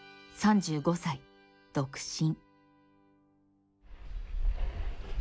３５歳独身。